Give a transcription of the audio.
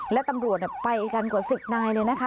และตำรวจไปกันกว่า๑๐นายเลยนะคะ